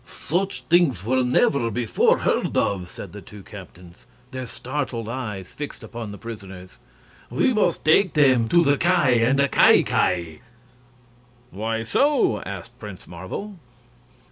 "Such things were never before heard of!" said the two captains, their startled eyes fixed upon the prisoners. "We must take them to the Ki and the Ki Ki." "Why so?" asked Prince Marvel.